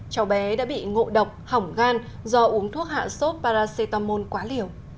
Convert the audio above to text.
cháu bé đã bị ngộ độc hỏng gan do uống thuốc hạ sốt paracetamol quá liều